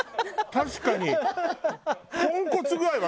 確かに。